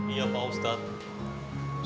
iya pak ustadz